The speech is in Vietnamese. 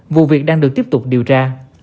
vụ việc đang được tiếp tục điều tra